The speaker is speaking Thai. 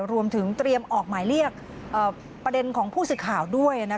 รวมถึงเตรียมออกหมายเรียกประเด็นของผู้สื่อข่าวด้วย